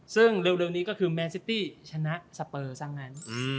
ซึ่งเร็วนี้ก็คือแมนซิตี้ชนะสเปอร์ซะงั้น